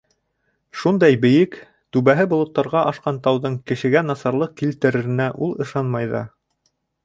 Шундай бейек, түбәһе болоттарға ашҡан тауҙың кешегә насарлыҡ килтереренә ул ышанмай ҙа.